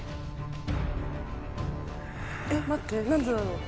えっ待って何でだろう？